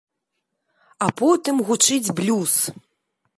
А потым гучыць блюз!